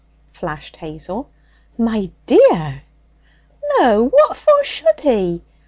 flashed Hazel. 'My dear!' 'No, what for should He?